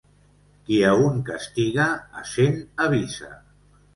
Qui a un castiga, a cent avisa.